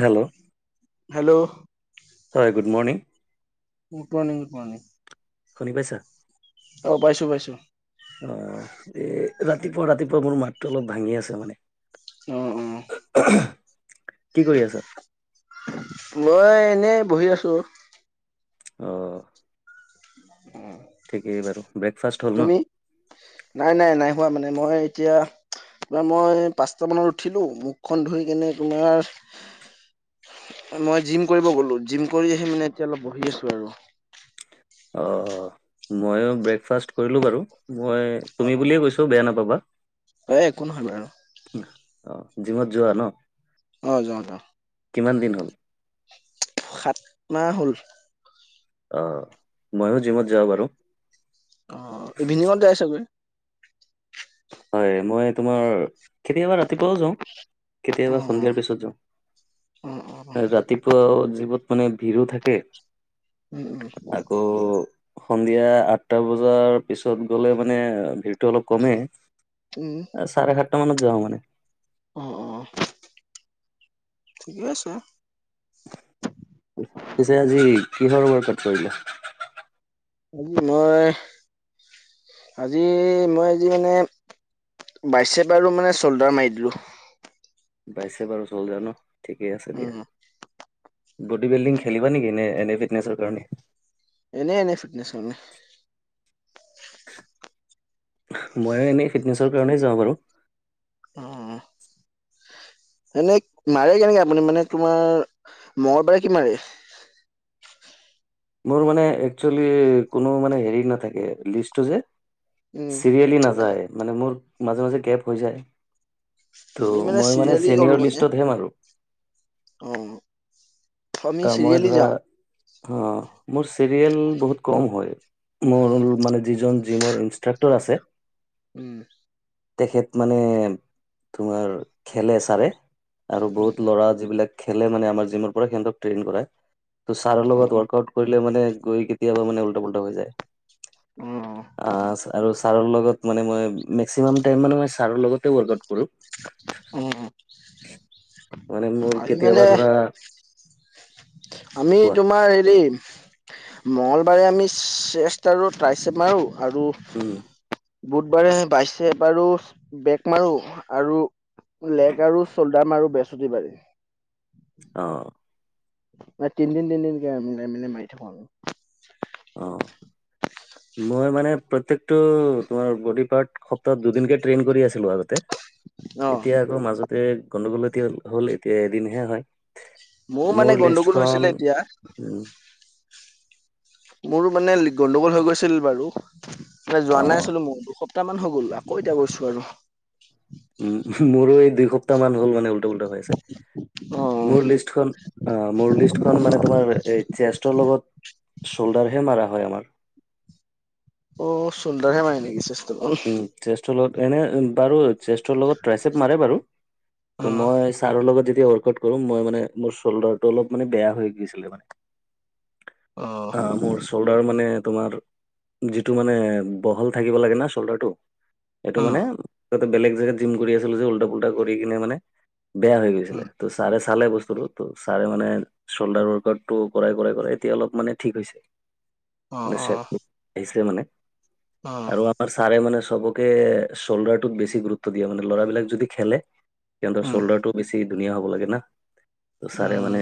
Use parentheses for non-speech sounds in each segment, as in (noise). Hello hello হয় good morning good morning good morning শুনি পাইছা অ পাইছো পাইছো অ এ ৰাতিপুৱা ৰাতিপুৱা মোৰ মাতটো অলপ ভাঙি আছে মানে অ অ কি কৰি আছা মই এনেই বহি আছো অ উম ঠিকেই বাৰু ব্ৰেকফাষ্ট হ'ল ন তুমি নাই নাই নাই হোৱা মানে মই এতিয়া তাৰ মই পাঁচট মানত উঠিলোঁ মুখখন ধুই কিনে তোমাৰ মই জিম কৰিব গ'লো জিম কৰি আহি মানে এতিয়া অলপ বহি আছো আৰু অ ময়ো ব্ৰেকফাষ্ট কৰিলো বাৰু মই তুমি বুলিয়ে কৈছো বেয়া নাপাবা এ একো নহয় বাৰু অ জিমত যোৱা ন অ যাওঁ যাৱ কিমান দিন হ'ল সাত মাহ হল আহ মইও জিমত যাও বাৰু অ ইভিনিঙত যাই চাগৈ হয় মই তোমাৰ কেতিয়াবা ৰাতিপুৱাও যাওঁ অ কেতিয়াবা সন্ধিয়াৰ পিছত অ অ অ যাওঁ ৰাতিপুৱা জিমত মানে ভিৰো থাকে উম উম আকৌ সন্ধিয়া আঠটা বজাৰ পিছত গলে মানে ভিৰটো অলপ কমেই উম চাৰে সাতটা মানত যাও মানে অ অ ঠিকে আছে পিছে আজি কিহৰ ৰ পাত কৰিলে আজি মই আজি মই আজি মানে বাইছেপ আৰু মানে শ্ব'ল্ডাৰ মাৰি দিলোঁ। বাইছে বাৰু চলজাৰ ন ঠিকেই আছে দিয়া। উম বডি বিল্ডিং খেলিবা নেকি? নে এনে ফিটনেছৰ কাৰণে। এনে এনে ফিটনেছ হয় নে? ময়ো এনেই ফিটনেছৰ কাৰণেই যাওঁ বাৰু। উম এনেই মাৰে কেনেকে আপুনি মানে তোমাৰ মঙলবাৰে কি মাৰে? মোৰ মানে একশ্বয়ালি কোনো মানে হেৰি নাথাকে লিষ্ট টো যে উম, চিৰিয়েলি নাযায় মানে মোৰ মাজে মাজে গেভ হৈ যায় আমি ত' মই মানে চিৰিয়েলি কৰো চেনিয়ৰ মানে লিষ্টতহে মাৰো। অ আমি মই চিৰিয়েলি ধৰা যাওঁ। অ মোৰ চিৰিয়েল বহুত কম হয়। মোৰ মানে যিজন জিমৰ ইনষ্ট্ৰাক্টৰ আছে উম! তেখেত মানে তোমাৰ খেলে চাৰে আৰু উম, বহুত ল'ৰা যিবিলাক খেলে মানে আমাৰ জিমৰ পৰা সিহঁতক ট্ৰেইন কৰাই ত ছাৰৰ লগত উম। ৱৰ্কআউট কৰিলে মানে গৈ কেতিয়াবা মানে উল্টা পুল্টা হৈ যায় অ আৰু ছাৰৰ লগত মানে মই মেক্সিমাম টাইন মানে মই ছাৰৰ লগতে ৱৰ্কআউট কৰো অ', অ', মানে মোৰ আজি মানে কেতিয়াবা ধৰা আমি কোৱা তোমাৰ হেৰি মঙ্গলবাৰে আমি চেষ্টাৰ আৰু ট্ৰাচেত মাৰো আৰু উম বুধবাৰে বাইছেপ বাৰু বেক মাৰো আৰু লেগ আৰু চল্ডাৰ মাৰো বৃহস্পতিবাৰে। অ মানে তিনদিন তিনদিনকে মিলাই মিলাই মাৰি থাকোঁ আৰু। অ! মই মানে প্ৰত্যেকটো তোমাৰ বডি পাৰ্ট সপ্তাহত দুদিনকে ট্ৰেইন কৰি আছিলোঁ আগতে। অ', এতিয়া আকৌ মাজতে গণ্ডগোল এতি হ'ল, এতিয়া এদিনহে হয়। মানে মোৰ গণ্ডগোল লিষ্টখন হৈছিলে এতিয়া মোৰো মানে গণ্ডগোল হৈ গৈছিল বাৰু, মানে অ যোৱা নাই হৈছিলোঁ মই দুসপ্তাহ মান হৈ গ'ল আকৌ এতিয়া গৈছোঁ আৰু। উম! মোৰো এই দুই সপ্তাহ মান হ'ল মানে উল্টা পুল্টা হৈ আছে। অ মোৰ লিষ্টখন অ, মোৰ লিষ্টখন মানে তোমাৰ ‌এই চেষ্টৰ লগত শোল্ডাৰহে মাৰা হয় আমাৰ। অ সৌল্ডাৰ হে মায়ে নেকি ‌‌চে উম! চেষ্টৰ লগত এনে বাৰু চেষ্টৰ লগত ট্ৰাইচেপ মাৰে বাৰু। অ ত মই ছাৰৰ লগত যে তিয়া ৱৰ্কআউট কৰোঁ মই মানে মোৰ চল্ডাৰটো অলপ মানে বেয়া হৈ গৈছিলে মানে। অ মোৰ চল্ডাৰ মানে তোমাৰ যিটো মানে বহল থাকিব লাগে না চল্ডাৰটো সেইটো অ মানে আগতে বেলেগ জেগাত জিম কৰি আছিলোঁ যে উল্টা পুল্টা কৰি কিনে মানে বেয়া হৈ গৈছিলে ত ছাৰে চালে বস্তুটো ত ছাৰে মানে চল্ডাৰ ৱৰ্কআউটটো কৰাই কৰাই কৰাই এতিয়া অলপ মানে ঠিক হৈছে। মানে চেপ টো আহিছিলে মানে। অহ! আৰু আমাৰ ছাৰে মানে চবকে চ'ল্ডাৰ টোত বেছি গুৰুত্ব দিয়ে মানে ল'ৰাবলাক যদি খেলে। সিহঁতৰ উম চ'ল্ডাৰটো বেছি ধুনীয়া হ'ব লাগে না, ত ছাৰে মানে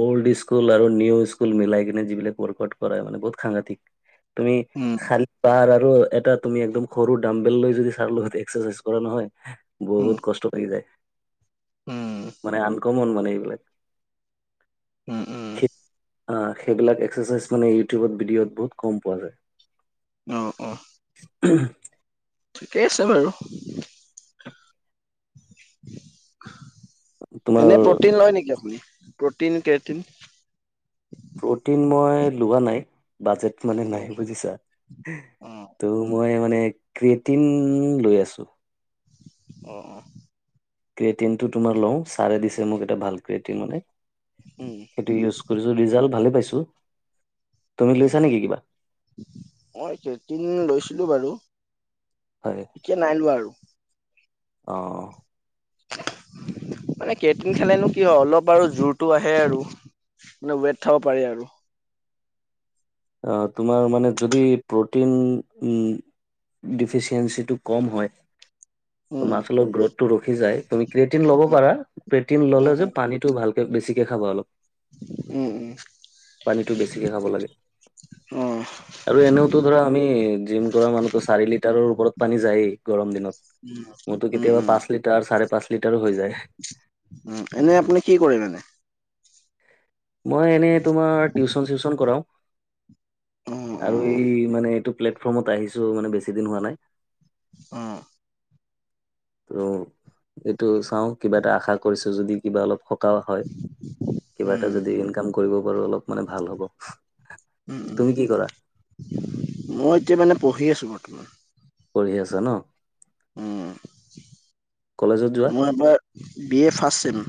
অল্ড স্কুল আৰু নিউ স্কুল মিলাই কিনে যিবিলাক ৱৰ্কআউট কৰাই মানে বহুত সাংঘাতিক। তুমি উম খালি পাৰ আৰু এটা। তুমি একদম সৰু দামবেল লৈ যদি ছাৰ লগত এক্সাৰচাইজ কৰা নহয় উম বহুত কষ্ট থাকি যায়। উম মানে আনকমন মানে এইবিলাক উম! উম! আহ সেইবিলাক এক্সাৰচাইজ মানে ইউটিউবত ভিডিঅ'ত বহুত কম পোৱা যায়। অ অ অ ঠিকেই আছে বাৰু তোমাৰ এনে প্ৰটিন লয় নেকি আপুনি। প্ৰটিন কেটিন প্ৰ'টিন মই লোৱা নাই বাজেট মানে অ নাই বুজিছা অ ত' মই মানে কেটিন লৈ আছোঁ। অ অ ক্ৰেটিনটো তোমাৰ লওঁ ছাৰে দিছে মোক এটা ভাল ক্ৰেটিন মানে উম সেইটো ইউজ কৰিছোঁ ৰিজাল্ট ভালে পাইছোঁ। উ মই কেটিন লৈছিলোঁ বাৰু- এতিয়া নাই লোৱা আৰু আহ মানে কেটিং খালেনো কি হয় অলপ আৰু জোৰতটো আহে আৰু মানে ৱেট থব পাৰি আৰু। আহ তোমাৰ মানে যদি প্ৰটিন উম ডিফিচিয়েঞ্চিটো কম হয়। উম, মাচলৰ গ্ৰোথটো ৰখি যায় তুমি ক্ৰেটিন ল'ব উম, পাৰা ক্ৰেটিন ল'লে উম, যে উম, পানীটো ভাল। বেছিকে খাবা অলপ উম, পানীতটো বেছিকে খাব লাগে। উম, অ', আৰু এনেওতো ধৰা আমি জিম কৰা মানুহতো চাৰি লিটাৰৰ ওপৰত পানী যায় গৰম দিনত উম মোৰতো উম কেতিয়াবা উম পাঁচ চাৰে পাঁচ লিটাৰ হৈ যায়। উ এনেই আপুনি কি কৰে মাননে মই এনেই তোমাৰ টিউচন চিউশন কৰাও অ', আৰু অ', এই মানে এইটো প্লেটফৰ্মত আহিছো মানে বেছি দিন হোৱা নাই। অ (inaudible) ত এইটো চাওঁ কিবা এটা আশা কৰিছো যদি কিবা অলপ সকাহও হয়। কিবা এটা উম। যদি ইনকাম কৰিব পাৰো অলপ মানে ভাল হ'ব। উম, উম, তুমি কি কৰা? মই এতিয়া মানে পঢ়ি আছোঁ বৰ্তমান। পঢ়ি আচা ন। উম, কলেজত যোৱা মই এবাৰ B A first sem.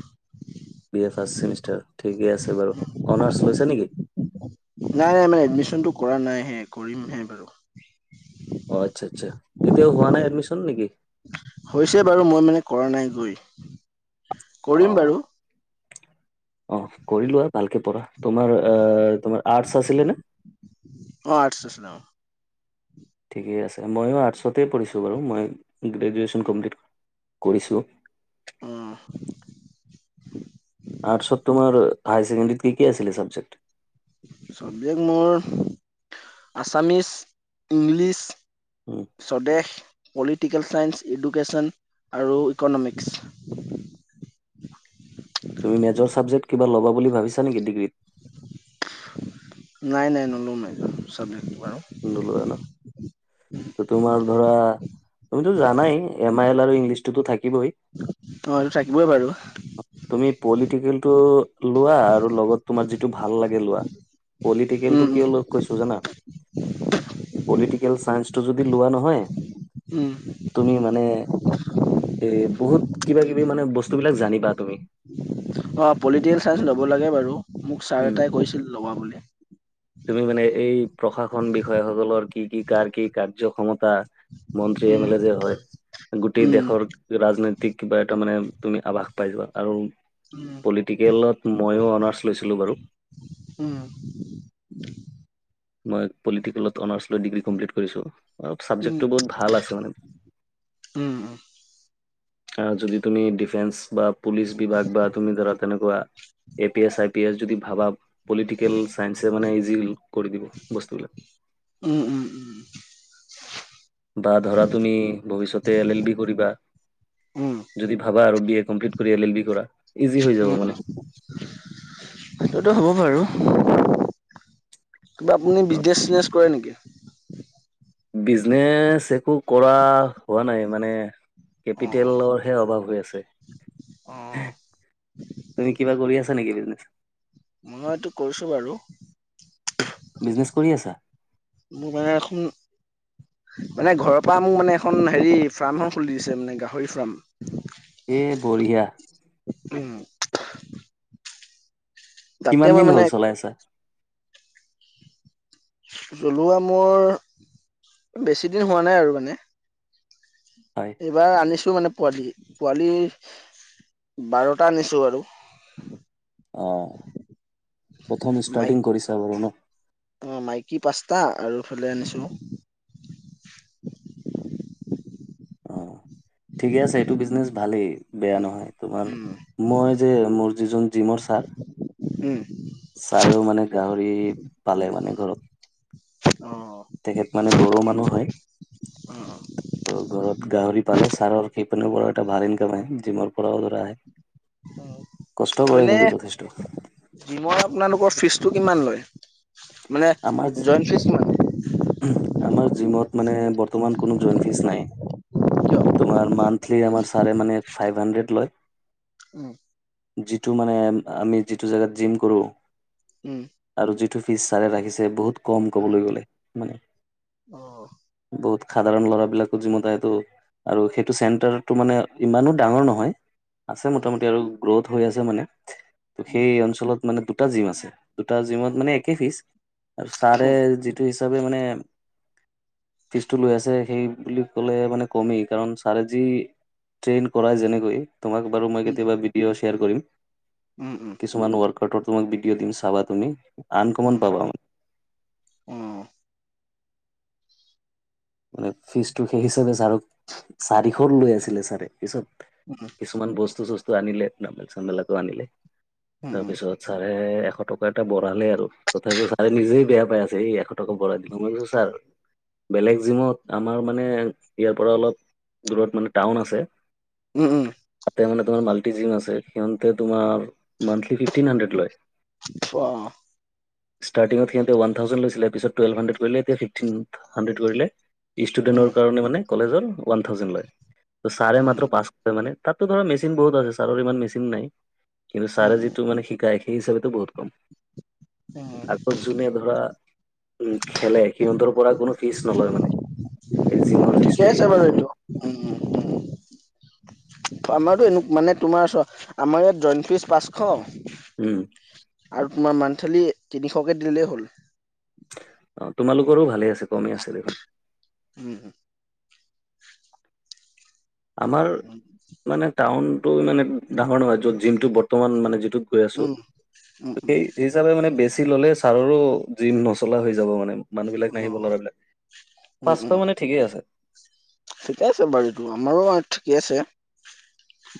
B A first semester ঠিকে আছে বাৰু অনাৰ্চ লৈছে নেকি? নাই নাই মানে এডমিশনটো কৰা নাই হে কৰিম হে বাৰু অ আচ্ছা আচ্ছা এতিয়াও হোৱা নাই এডমিচন নেকি? হৈছে বাৰু মই মানে কৰা নাই গৈ অ কৰিম বাৰু অ কৰিলোৱা আৰু ভালকে পঢ়া। তোমাৰ আহ তোমাৰ আৰ্টছ আছিলে নে? অ', আৰ্টছ আছিলে অ'। ঠিকেই আছে ময়ো আৰ্টছতে পঢ়িছোঁ বাৰু মই গ্ৰেজুৱেশ্যন কমপ্লিট কৰোঁ। কৰিছো। আহ আৰ্টছত তোমাৰ হায়াৰ কেণ্ডাৰিতত কি কি আছিলে চাবজেক্ট। চবজেক্ট মোৰ আছামিছ ইংলিছ স্বদেশ। পলিটিকেল ছাইন্স ইডুকেশ্যন আৰু ইকনমিক্স তুমি মেজৰ ছাবজেক্ট কিবা ল'ব বুলি ভাবিছা নেকি ডিগ্ৰীত নাই নাই ননুম একদ চ উডলো আনা ত তোমাৰ ধৰা তুমিতটো জানাই এম আই এল আৰু ইংলিছ অ এইটো থাকিবই বাৰু তুমি পলিটিকেলটো লোৱা আৰু লগত তোমাৰ যিটো ভাল লাগে লোৱা। পলিটিকেল টো কি হল কৈছোঁ জানা, পলিটিকেল ন্স টো যদি লোৱা নহয়। তুমি মানে এ বহুত কিবা কিবি মানে বস্তুবিলাক জানিব। তুমি অঁ পলিটিকেল চাইন্স ল'ব লাগে বাৰু মোক ছাৰ উম এটাই কৈছিল লবা বুলি। তুমি মানে এই প্ৰশাসন বিষয়াসকলৰ কি কি কাৰ কি কাৰ্য ক্ষমতা। মন্ত্ৰী এম উম এল এ যে হয় গোটেই উম দেশৰ ৰাজনীতি কিবা এটা মানে তুমি আভাস পাই যাবা আৰু পলিটিকেলত ময়ো অনাৰ্চ লৈছো। উম মই পলিটিকেলত কমাৰ্চ লৈ ডিগ্ৰী কমপ্লিট কৰিছোঁ। অ উম চাবজেক্টটো বহুত ভাল আছে মানে। উম আহ যদি তুমি ডিফেন্স বা পুলিচ বিভাগ বা তুমি ধৰা। তেনেকুৱা A P S I P S যদি ভাবা পলিটিকেল চাইন্স মানে ইজি। কৰি দিব বস্তু গিলাক। উম উম উম বা ধৰা তুমি ভৱিষ্যতে এল এল বি কৰিবা। উম যদি ভাবা আৰু বি এ কমপ্লিট কৰি এল এল বি কৰা ইজি হৈ যাব উম মানে। সেইটোতো হ'ব বাৰু কিবা আপুনি বিজনেচ চিজনেছ কৰে নেকি? বিজনেচ একো কৰা হোৱা নাই মানে অঁ অঁ কেপিটেলৰহে অভাৱ হৈ আছে অঁ তুমি কিবা কৰি আছা? নেকি এইপিনে মই এইটো কৈছো বাৰু বিজনেছ কৰি আছা মোৰ মানে এখন মানে ঘৰৰ পৰা মোক মানে এখন হেৰি ফাৰ্ম এখন খুলি দিছে মানে গাহৰি ফাৰ্ম। এই বঢ়িয়া উম তাতে কিমান মই দিন হ'ল মানে চলাই আছে। ছলোৱা মোৰ বেছি দিন হোৱা নাই আৰু মানে। হয় এইবাৰ আনিছো। মানে পোৱালি পোৱালি বাৰটা আনিছো আৰু অ প্ৰথম মাইক ষ্টাৰ্টিং কৰিছা বাৰু ন অ মাইকী পাঁচ্তটা আৰু ফালে আনিছো। (inaudible) ঠিকে আছে এইটো বিজনেচ ভালেই বেয়া নহয় তোমাৰ উম মই যে মোৰ যিজন জিমৰ ছাৰ উম ছাৰেও মানে। গাহৰি পালে মানে ঘৰত অ তেখেত মানে বড়ো মানুহ হয়। অ ত ঘৰত গাহৰি পালে ছাৰৰ সেইপিনে পৰা এটা ভাল ইনকাম আহে জিমৰ পৰাও ধৰা আহে। অ কষ্ট কৰে এনে কিন্তু যথেষ্ট। জিমৰ আপোনালোকৰ ফিজটো কিমান লয়। মানে আমাৰ জইণ্ট ফিচ মানে। আমাৰ জিমত মানে বৰ্তমান কোনো জইণ্ট ফিজ নাই। কিয় তোমাৰ মান্থলি আমাৰ ছাৰে মানে ফাইভ হাণ্ড্ৰেড লয়। উম। যিটো মানে আমি যিটো জোগাত জিম কৰোঁ। উম। ফিছ ছাৰে ৰাখিছে বহুত কম ক'বলৈ গ'লে মানে আহ বহুত সাধাৰণ ল'ৰাবিলাকো জিমত আহে টো আৰু সেইটো চেণ্টাৰটো মানে ইমানো ডাঙৰ নহয় আছে উম মোটামুটি আৰু গ্ৰথ হৈ আছে মানে ত উম সেই অঞ্চলত মানে দুটা জিম আছে দুটা জিমত মানে একে ফিচ আৰু ছাৰে যিটো হিচাপে মানে ফিজটো লৈ আছে সেই বুলি ক'লে মানে কমেই কাৰণ ছাৰে যি ট্ৰেইন কৰাই যেনেকৈ তোমাক বাৰু মই কেতিয়াবা ভিডিঅ' শ্বেয়াৰ কৰিম উম কিছুমান ৱৰ্ক মাক ভিডিঅ দিম চাবা তুমি আনকমন উম উম পাবা উম অ মানে ফিজটো সেই হিচাপে ছাৰ চাৰিশ লৈ আছিলে ছাৰে পিছত উম কিছুমান বস্তু চস্তু আনিলে ডাম্বেল চাম্বেল আনিলে তাৰপিছত ছাৰে এশ টকা এটা বঢ়ালে আৰু তথাপিও ছাৰে নিজেই বেয়া পাই আছে এই এশ টকা বঢ়াই দিব মই কৈছোঁ ছাৰ বেলেগ জিমত আমাৰ মানে ইয়াৰ পৰা অলপ দূৰত মানে টাউন আছে। উম উম। তাতে মানে মাল্টি জিম আছে সিহঁতে তোমাৰ মান্থলি ফিফটিন সান্দেৰেদ লয় অ (inaudible) উম ষ্টুডেন্টৰ কাৰণে মানে কলেজৰ ওৱান থাউজেণ্ড লয় ছাৰে উম মাত্ৰ উম পাঁচ কে মানে তাততো ধৰা মেচিন বহুত আছে ছাৰৰ ইমান মেচিন নাই কিন্তু উম ছাৰে উম যিটো মানে শিকায় সেই হিচাপো বহুত কম আকৌ (inaudible) যোনে উম খেলে সিহঁতৰ পৰা কোনো ফিচ নলয় মানে জিমৰ ঠিকে ফিচটোয়ে আছে বাৰু মানে কোনো এইটো আমাৰো এনে মানে তোমাৰ ও আমাৰ ইয়াত জইণ্ট ফিজ পাঁচশ উম আৰু তোমাৰ মান্থলি তিনিশকে দিলেই হ'ল অ তোমালোকৰো ভালে আছে কমেই আছে দেখোন উম আমাৰ উম, মানে টাউনটো ইমান ডাঙৰ নহয় য'ত জিমটো বৰ্তমান মানে যি যিটোত গৈ আছোঁ উম, সেই উম, হেই হিচাবে মানে বেচি ললে ছাৰৰো জিম নচলা হৈ যাব মানে মানুহ বিলাক নাহিব অ', ল'ৰাবলাক উম, উম, পাঁচশ মানে ঠিকেই আছে ঠিকে আছে বাৰীতো আমাৰো ঠিকে আছে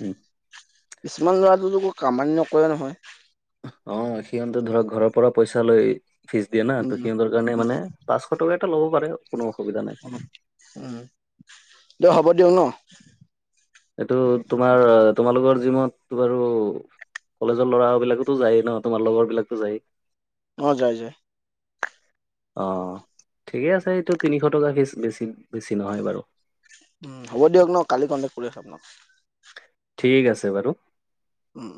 উম কিছুমান ল'ৰাটো (unintelligible) কামানি নকৰে নহয় অ সিহঁতে ধৰক ঘৰৰ পৰা পইচা লৈ ফিজ দিয়া না উম, ত সিহঁতৰ কাৰণে উম, মানে পাঁচশ টকা এটা ল'ব পাৰে কোনো অসুবিধা নাই উ দিয় হ'ব দিয়ক ন এইটো তোমাৰ তোমালোকৰ জিমত বাৰু কলেজৰ ল'ৰা বিলাকতো যায় ন তোমাৰ লগৰ বিলাকটো যায় অ যাই যায় অ ঠিকেই আছে এইটো তিনিশ টকা বেছি বেছি নহয় বাৰু উ হ'ব দিয়ক ন কালি কণ্টেক্ট কৰি আছ আপোনাক ঠিক আছে বাৰু উম।